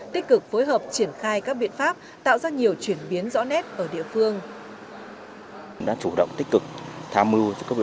tích cực phối hợp triển khai các biện pháp tạo ra nhiều chuyển biến rõ nét ở địa phương